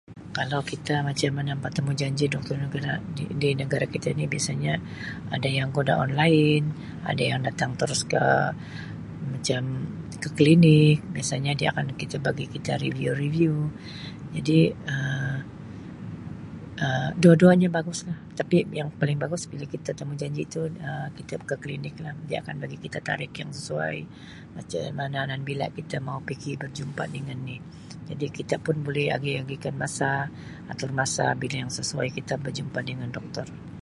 Kalau kita macam mana buat temujanji doktor dalam keadaa-di-di negara kita ini biasanya ada yang guna online, ada yang datang terus ke macam ke klinik biasanya dia akan kita bagi kita review-review jadi Um dua-duanya baguslah tapi yang paling bagus pigi temujanji tu Um kita ke klinik lah, dia akan bagi kita tarikh yang sesuai macam mana dan bila kita mau pigi berjumpa dengan ni jadi kita pun boleh agih-agihkan masa atur masa bila yang sesuai bila kita berjumpa dengan doktor.